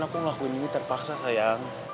aku ngelakuin ini terpaksa sayang